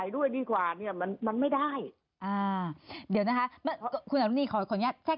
ด้วยดีกว่าเนี่ยมันมันไม่ได้อ่าเดี๋ยวนะคะคุณขอขอแชร์